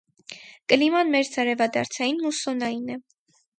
Կլիման մերձարևադարձային մուսսոնային է։